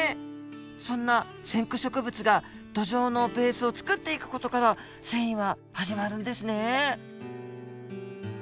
そんな先駆植物が土壌のベースを作っていく事から遷移は始まるんですね。